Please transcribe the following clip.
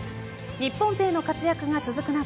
日本勢の活躍が続く中